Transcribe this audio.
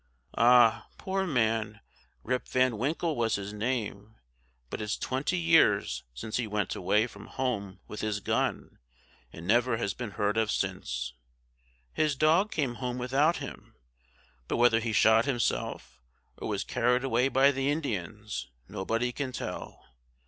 "Ah, poor man, Rip Van Winkle was his name, but it's twenty years since he went away from home with his gun, and never has been heard of since, his dog came home without him; but whether he shot himself, or was carried away by the Indians, nobody can tell.